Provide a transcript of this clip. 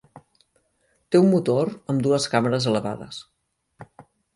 Té un motor amb dues càmeres elevades.